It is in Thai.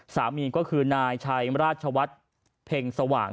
สามีก็คือนายชัยราชวัฒน์เพ็งสว่าง